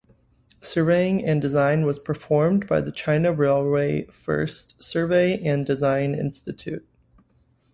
Surveying and design was performed by the China Railway First Survey and Design Institute.